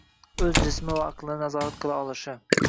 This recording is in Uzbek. O‘z jismi va aqlini nazorat qila olishi.